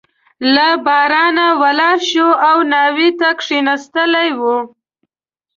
له بارانه ولاړ شوی او ناوې ته کښېنستلی وو.